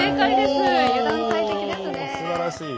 すばらしい。